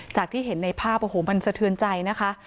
ที่เห็นในภาพโอ้โหมันสะเทือนใจนะคะ